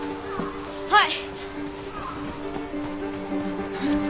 はい！